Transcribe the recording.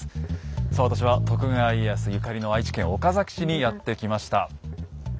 さあ私は徳川家康ゆかりの愛知県岡崎市にやって来ました。